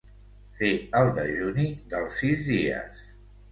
Fer el dejuni dels sis dies.